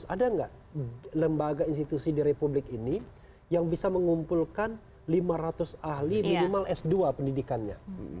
ada nggak lembaga institusi di republik ini yang bisa mengumpulkan lima ratus ahli minimal s dua pendidikannya